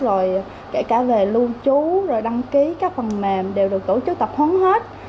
rồi kể cả về lưu trú rồi đăng ký các phần mềm đều được tổ chức tập huấn hết